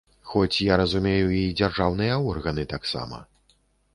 Хоць я разумею і дзяржаўныя органы таксама.